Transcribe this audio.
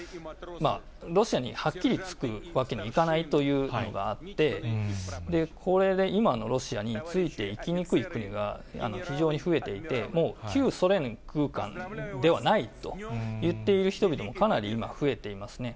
ロシアにはっきりつくわけにいかないというのがあって、これで今のロシアについていきにくい国が非常に増えていて、旧ソ連くうかんではないと言っている人々もかなり今、増えていますね。